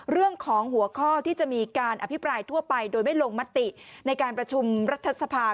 เราจะรู้ว่ากลไกรรัฐทรัพยามีความหวังได้แค่ไหน